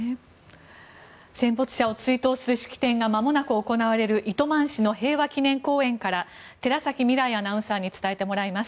戦没者を追悼する式典が間もなく行われる糸満市の平和祈念公園から寺崎未来アナウンサーに伝えてもらいます。